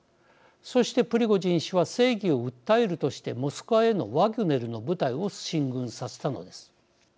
そしてプリゴジン氏は正義を訴えるとしてモスクワへのワグネルの部隊を進軍させたのです。